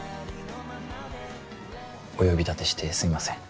お呼び立てしてすいません